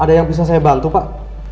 ada yang bisa saya bantu pak